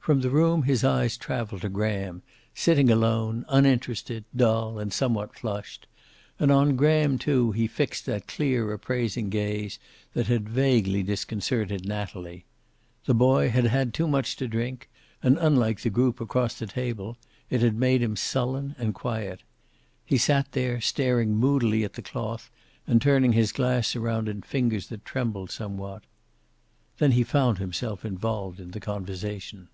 From the room his eyes traveled to Graham, sitting alone, uninterested, dull and somewhat flushed. And on Graham, too, he fixed that clear appraising gaze that had vaguely disconcerted Natalie. The boy had had too much to drink, and unlike the group across the table, it had made him sullen and quiet. He sat there, staring moodily at the cloth and turning his glass around in fingers that trembled somewhat. Then he found himself involved in the conversation.